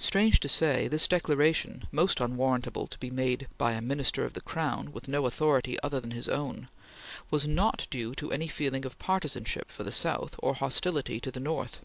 Strange to say, this declaration, most unwarrantable to be made by a Minister of the Crown with no authority other than his own, was not due to any feeling of partisanship for the South or hostility to the North....